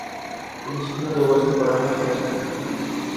তিনি সেখানে দু'বছর পড়াশোনা করেছেন।